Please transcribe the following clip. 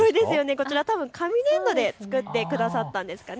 こちら、紙粘土で作ってくださったんですかね。